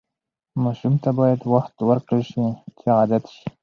ماشوم ته باید وخت ورکړل شي چې عادت شي.